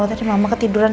tadi mama ketiduran